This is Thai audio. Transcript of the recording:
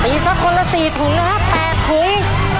มีสักคนละ๔ถุงนะครับ๘ถุง